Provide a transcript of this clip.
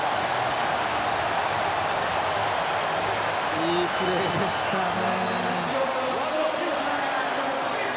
いいプレーでしたね。